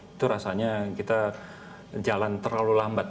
itu rasanya kita jalan terlalu lambat